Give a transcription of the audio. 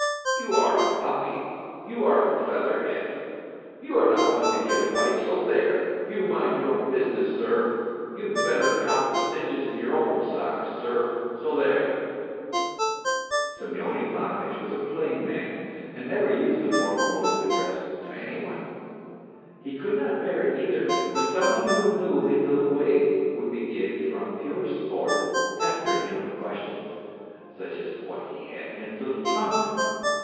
" You are a puppy, you are a featherhead, you are not one to give advice, so there you mind your own business, sir. You'd better count the stitches in your own socks, sir, so there !" Semyon Ivanovitch was a plain man, and never used the formal mode of address to any one. He could not bear it either when some one who knew his little ways would begin from pure sport pestering him with questions, such as what he had in his little trunk.